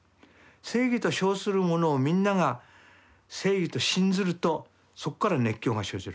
正義と称するものをみんなが正義と信ずるとそこから熱狂が生じるわけ。